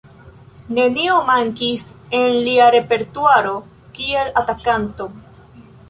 Nenio mankis en lia repertuaro kiel atakanto.